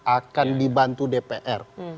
akan dibantu dpr